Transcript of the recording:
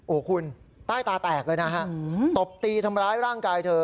โอ้โหคุณใต้ตาแตกเลยนะฮะตบตีทำร้ายร่างกายเธอ